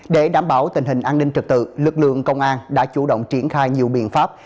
để đảm bảo tình hình an ninh trật tự lực lượng công an đã chủ động triển khai nhiều biện pháp